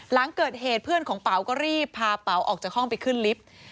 หลังเกิดเหตุเพื่อนของเป๋าก็รีบพาเป๋าออกจากห้องไปขึ้นลิฟต์